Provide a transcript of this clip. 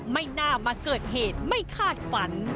ไม่น่ามาเกิดเหตุไม่คาดฝัน